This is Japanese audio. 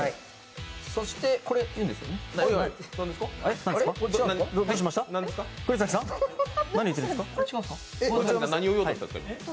そしてこれ、いいんですか？